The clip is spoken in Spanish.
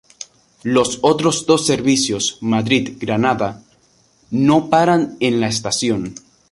Los otros dos servicios Madrid-Granada no paran en la estación.